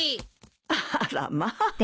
あらまあ。